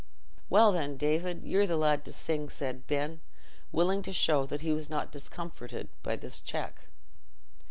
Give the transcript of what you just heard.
"Well, then, David, ye're the lad to sing," said Ben, willing to show that he was not discomfited by this check.